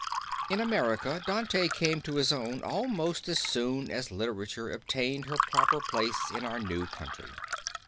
In America Dante came to his own almost as soon as literature obtained her proper place in our new country.